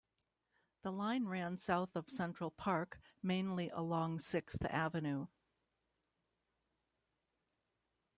The line ran south of Central Park, mainly along Sixth Avenue.